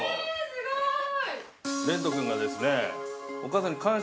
すごい。